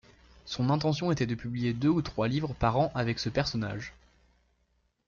Son intention était de publier deux ou trois livres par an avec ce personnage.